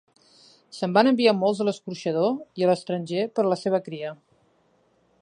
Se'n van enviar molts a l'escorxador i a l'estranger per a la seva cria.